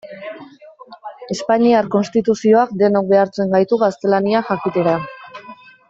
Espainiar Konstituzioak denok behartzen gaitu gaztelania jakitera.